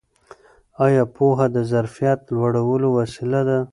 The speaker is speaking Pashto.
ایا پوهه د ظرفیت لوړولو وسیله ده؟